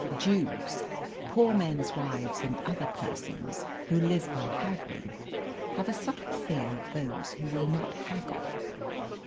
Jews, poor men's wives, and other persons who live by haggling, have a subtle fear of those who will not haggle.